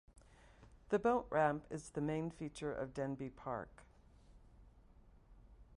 The boat ramp is the main feature of Denbigh Park.